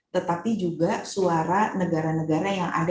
tetapi juga suara negara negara yang ada